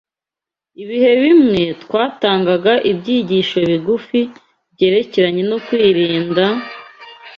Ibihe bimwe, twatangaga ibyigisho bigufi byerekeranye no kwirinda,